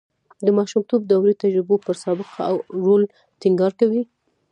د ماشومتوب دورې تجربو پر سابقه او رول ټینګار کوي